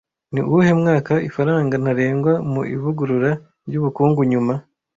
Ni uwuhe mwaka ifaranga ntarengwa mu ivugurura ry'ubukungu nyuma